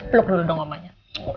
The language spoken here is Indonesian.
plok dulu dong mamanya